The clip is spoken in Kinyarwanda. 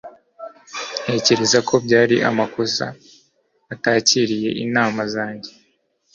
Ntekereza ko byari amakosa kuba atakiriye inama zanjye